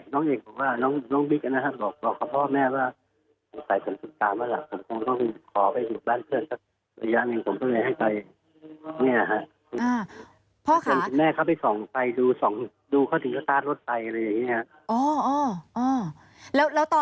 พ่อขาแม่เข้าไปส่องไปดูเขาถึงสตาร์ทรถไปอะไรอย่างนี้ครับ